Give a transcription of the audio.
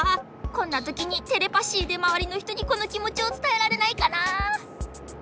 こんなときにテレパシーでまわりのひとにこのきもちをつたえられないかな。